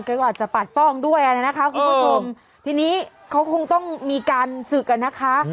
ก็อาจจะปัดป้องด้วยอ่ะนะคะคุณผู้ชมทีนี้เขาคงต้องมีการศึกอ่ะนะคะ